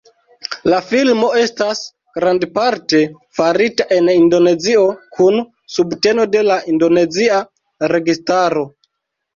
La filmo estas grandparte farita en Indonezio, kun subteno de la indonezia registaro.